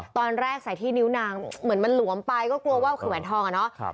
ตอนแรกใส่ที่นิ้วนางเหมือนมันหลวมไปก็กลัวว่าคือแหวนทองอ่ะเนาะ